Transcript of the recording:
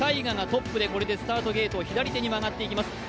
ＴＡＩＧＡがトップでこれでスタートゲートを左手に回ってきます。